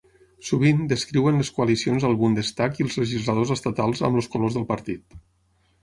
Sovint, descriuen les coalicions al Bundestag i els legisladors estatals amb els colors del partit.